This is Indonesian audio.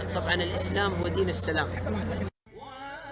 dan islam dan dini selama